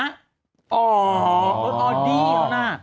อ๋อรถออดดี้เหรอนะ